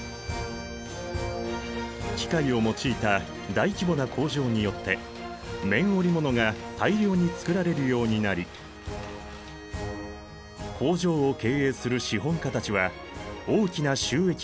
機械を用いた大規模な工場によって綿織物が大量に作られるようになり工場を経営する資本家たちは大きな収益をあげた。